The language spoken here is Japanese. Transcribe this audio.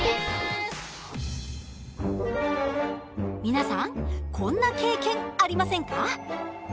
皆さんこんな経験ありませんか？